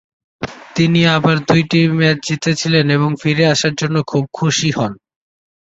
তিনি আবার দুইটি ম্যাচ জিতেছিলেন এবং ফিরে আসার জন্য খুব খুশি হন।